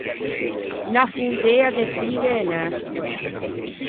Unna fondea de fighe e nespoe.